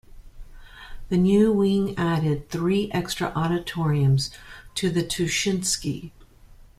The new wing added three extra auditoriums to the Tuschinski.